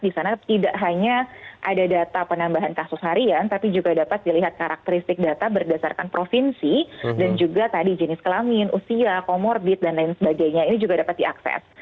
di sana tidak hanya ada data penambahan kasus harian tapi juga dapat dilihat karakteristik data berdasarkan provinsi dan juga tadi jenis kelamin usia comorbid dan lain sebagainya ini juga dapat diakses